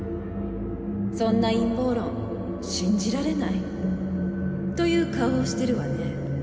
「そんな陰謀論信じられない」という顔をしてるわね。